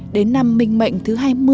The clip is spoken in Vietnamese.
đến năm minh mệnh thứ hai mươi